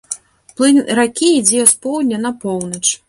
Плынь ракі ідзе з поўдня на поўнач.